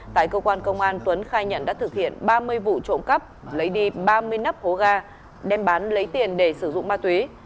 tại cơ quan công an tuấn khai nhận đã thực hiện ba mươi vụ trộm cắp lấy đi ba mươi nắp hố ga đem bán lấy tiền để sử dụng ma túy